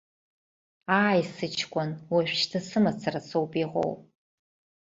Ааи, сыҷкәын, уажәшьҭа сымацара соуп иҟоу.